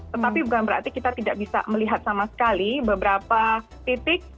tetapi bukan berarti kita tidak bisa melihat sama sekali beberapa titik